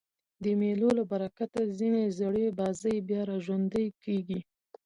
د مېلو له برکته ځیني زړې بازۍ بیا راژوندۍ کېږي.